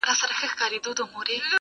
زه جارېږمه له تا او ته له بله.